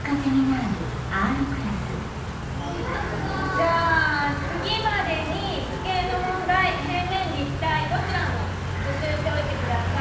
じゃあ次までに図形の問題平面立体どちらも復習しておいてください。